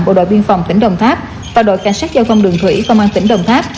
bộ đội biên phòng tỉnh đồng tháp và đội cảnh sát giao thông đường thủy công an tỉnh đồng tháp